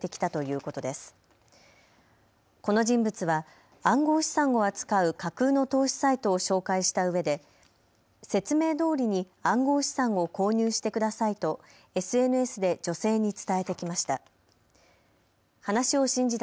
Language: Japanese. この人物は暗号資産を扱う架空の投資サイトを紹介したうえで説明どおりに暗号資産を購入してくださいとＳＮＳで女性に伝えてきました。